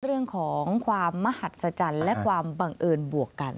เรื่องของความมหัศจรรย์และความบังเอิญบวกกัน